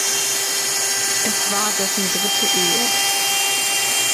Es war dessen dritte Ehe.